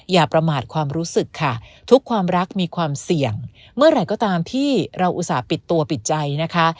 อย่าประมาทความรู้สึกค่ะทุกความรักมีความเสี่ยงเมื่อไหร่ก็ตามที่เราอุตส่าห์ปิดตัวปิดใจนะคะ